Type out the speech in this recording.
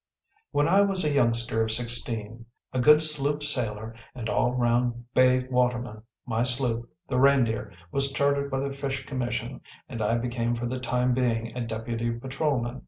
When I was a youngster of sixteen, a good sloop sailor and all round bay waterman, my sloop, the Reindeer, was chartered by the Fish Commission, and I became for the time being a deputy patrolman.